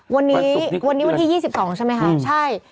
วันนี้วันที่๒๒ใช่ไหมคะใช่